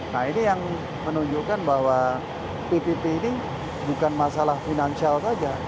nah ini yang menunjukkan bahwa ppp ini bukan masalah finansial saja